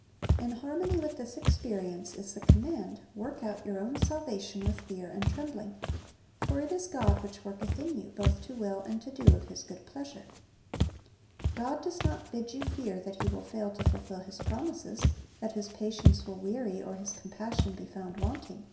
"^ In harmony with this experience is the command, "Work out your o\Vn salvation with fear and trembling. For it is God which worketh in you both to will and to do of His good pleasure."* God does not bid you fear that He will fail to fulfil His promises, that His patience will weary, or His compassion be found wanting.